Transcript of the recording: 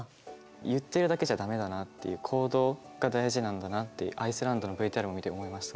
言ってるだけじゃ駄目だなっていう行動が大事なんだなってアイスランドのＶＴＲを見て思いました。